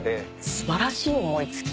素晴らしい思い付き。